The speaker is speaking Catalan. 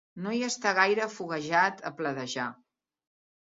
No hi està gaire foguejat, a pledejar.